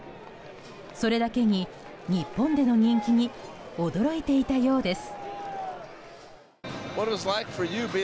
それだけに、日本での人気に驚いていたようです。